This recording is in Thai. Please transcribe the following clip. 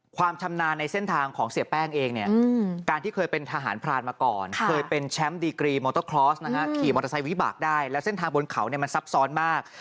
ความชำนาญในเส้นทางของเสียแป้งเองเนี่ยการที่เคยเป็นทหารพรานมาก่อนเคยเป็นแชมป์ดีกรีมอเตอร์คลอสนะฮะขี่มอเตอร์ไซค์วิบากได้แล้วเส้นทางบนเขาเนี่ยมันซับซ้อนมาก